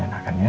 gak enakan ya